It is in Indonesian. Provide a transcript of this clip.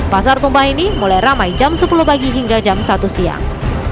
pasar tumpah ini mulai ramai jam sepuluh pagi hingga jam satu siang